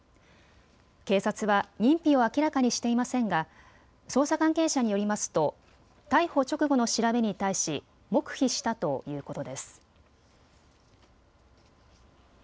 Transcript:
警察は認否を明らかにしていませんが捜査関係者によりますと逮捕直後の調べに対し黙秘したということです。